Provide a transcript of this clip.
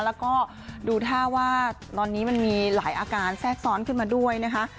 แล้วก็ดูท่าว่าตอนนี้มันมีหลายอาการแทรกซ้อนขึ้นมาด้วยนะคะ